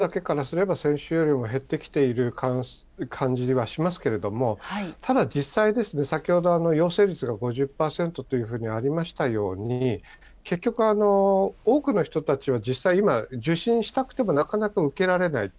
数だけからすれば、先週よりも減ってきている感じはしますけれども、ただ、実際ですね、先ほど陽性率が５０％というふうにありましたように、結局、多くの人たちは実際今、受診したくてもなかなか受けられない。